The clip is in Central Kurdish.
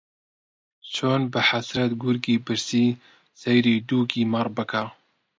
چۆن بە حەسرەت گورگی برسی سەیری دووگی مەڕ بکا